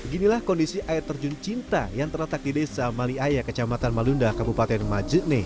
beginilah kondisi air terjun cinta yang terletak di desa maliaya kecamatan malunda kabupaten majene